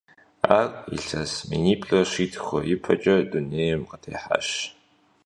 Ар илъэс миниплӏрэ щитхурэ ипэкӀэ дунейм къытехьащ.